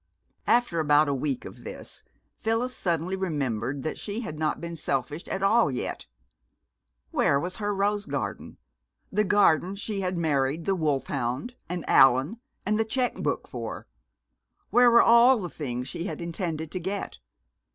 After about a week of this, Phyllis suddenly remembered that she had not been selfish at all yet. Where was her rose garden the garden she had married the wolfhound and Allan and the check book for? Where were all the things she had intended to get?